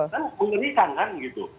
kan mengerikan kan gitu